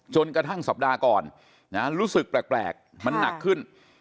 จนกระทั่งสัปดาห์ก่อนรู้สึกแปลกมันหนักขึ้น